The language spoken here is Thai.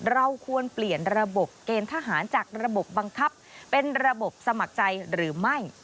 เราควรเปลี่ยนระบบเกณฑ์ทหารจากระบบบังคับเป็นระบบสมัครใจหรือไม่